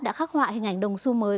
đã khắc họa hình ảnh đồng xu mới